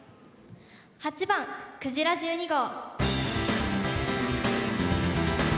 ８番「くじら１２号」。